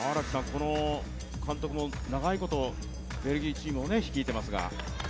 この監督も長いことベルギーチームを率いてますが。